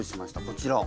こちら。